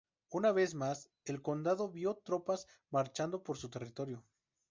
Una vez más, el condado vio tropas marchando por su territorio.